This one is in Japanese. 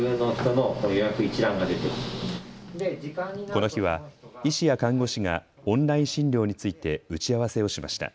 この日は医師や看護師がオンライン診療について打ち合わせをしました。